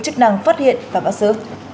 chức năng phát hiện và bắt giữ